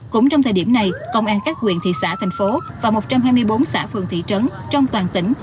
cũng trong thời điểm này công an các huyện thị xã thành phố và một trăm hai mươi bốn xã phường thị trấn trong toàn tỉnh